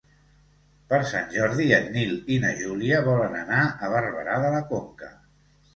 Per Sant Jordi en Nil i na Júlia volen anar a Barberà de la Conca.